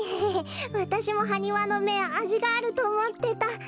わたしもハニワのめあじがあるとおもってた。